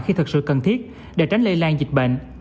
khi thật sự cần thiết để tránh lây lan dịch bệnh